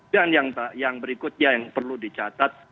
dan yang berikutnya yang perlu dicatat